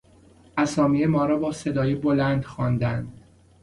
اسامی ما را با صدای بلند خواندند.